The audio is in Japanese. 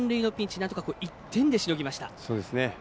なんとか１点でしのぎました。